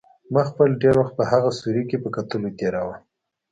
ما خپل ډېر وخت په هغه سوري کې په کتلو تېراوه.